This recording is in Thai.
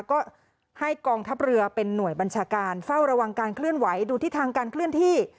ก็ให้กองทัพเรือเป็นหน่วยบัญชาการเฝ้าระวังการเคลื่อนไหวดูทิศทางการเคลื่อนที่